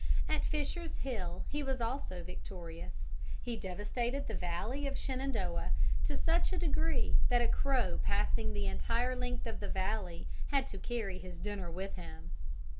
At Fisher's Hill he was also victorious. He devastated the Valley of the Shenandoah to such a degree that a crow passing the entire length of the valley had to carry his dinner with him.